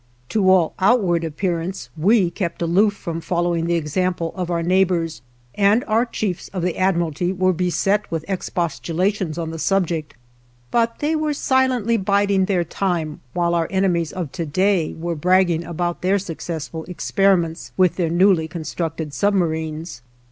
To all outward appearance we kept aloof from following the example of our neighbors, and our chiefs of the Admiralty were beset with expostulations on the subject, but they were silently biding their time while our enemies of to day were bragging about their successful experiments with their newly constructed submarines.